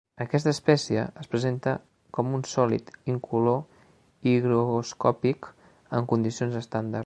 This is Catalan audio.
Aquesta espècie es presenta com un sòlid incolor i higroscòpic en condicions estàndard.